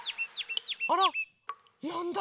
あら？やんだ！